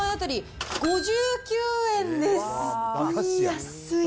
安い。